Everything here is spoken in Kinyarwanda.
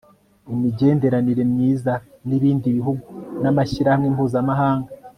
imigenderanire myiza n'ibindi bihugu n'amashyirahamwe mpuzamahanga